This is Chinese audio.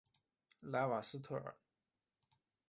莱瓦斯特尔。